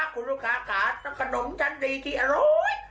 คุณลูกค้าต้องขนมทันดีที่อร่อย